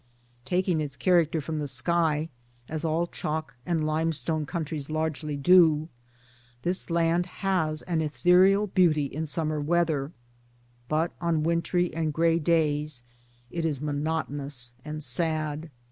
Taking its char acter from the sky as all chalk and limestone coun tries largely do this land has an ethereal beauty in summer weather ; but on wintry and gray days it is monotonous and sad.